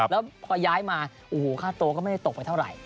แล้วพอย้ายมาโอ้โหค่าตัวก็ไม่ได้ตกไปเท่าไหร่